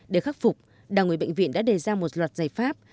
để khắc phục đảng ủy bệnh viện đã đề ra một loạt giải pháp